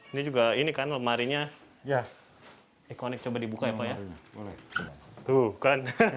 ini juga ini kan lemarinya ya ikonik coba dibuka ya tuh kan hahaha